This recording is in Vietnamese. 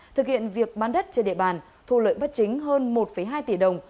thực hiện việc bán đất trên địa bàn thu lợi bất chính hơn một hai tỷ đồng